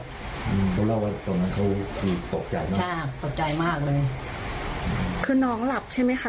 ก็จบอืมเขาเล่าว่าตรงนั้นเขาคือตกใจใช่ตกใจมากเลยคือน้องหลับใช่มั้ยค่ะ